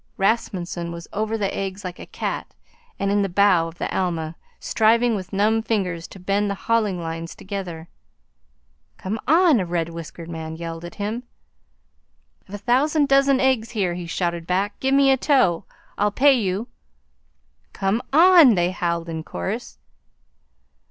Rasmunsen was over the eggs like a cat and in the bow of the Alma, striving with numb fingers to bend the hauling lines together. "Come on!" a red whiskered man yelled at him. "I've a thousand dozen eggs here," he shouted back. "Gimme a tow! I'll pay you!" "Come on!" they howled in chorus.